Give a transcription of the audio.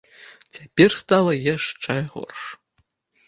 Цяпер стала яшчэ горш.